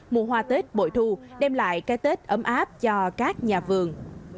mùa hoa tết bội thu đem lại cái tết ấm áp cho các nhà vườn